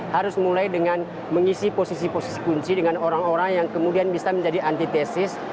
harus mulai dengan mengisi posisi posisi kunci dengan orang orang yang kemudian bisa menjadi antitesis